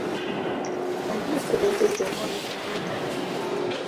Ani mukulembeze wa Uganda?